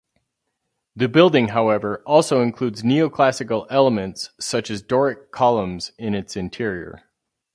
The building however also includes Neoclassical elements such as Doric columns in its interior.